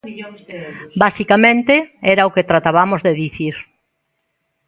Basicamente era o que tratabamos de dicir.